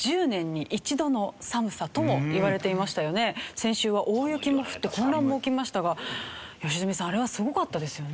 先週は大雪も降って混乱も起きましたが良純さんあれはすごかったですよね。